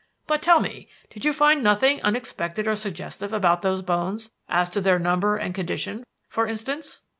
But, tell me, did you find nothing unexpected or suggestive about those bones as to their number and condition, for instance?"